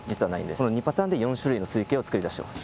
その２パターンで４種類の水形を作りだしてます